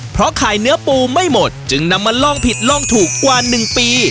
เพราะขายเนื้อปูไม่หมดจึงนำมาลองผิดลองถูกกว่า๑ปี